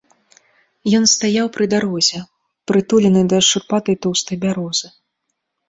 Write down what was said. Ён стаяў пры дарозе, прытулены да шурпатай тоўстай бярозы.